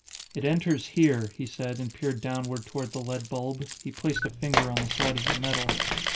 "It enters here," he said and peered downward toward the lead bulb. He placed a finger on the side of the metal.